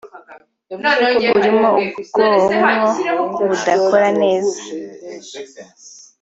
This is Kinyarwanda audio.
urimo ubwonko budakora neza